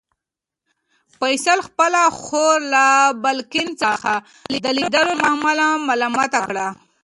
فیصل خپله خور له بالکن څخه د لیدلو له امله ملامته کړه.